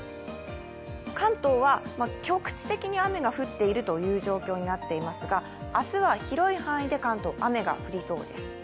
関東は局地的に雨が降っているという状況になっていますが、明日は広い範囲で、関東、雨が降りそうです。